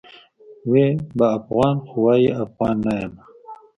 وي به افغان؛ خو وايي افغان نه یمه